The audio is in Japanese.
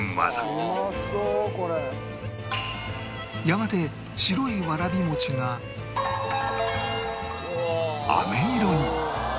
やがて白いわらび餅が飴色に